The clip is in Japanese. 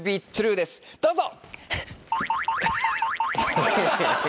どうぞ！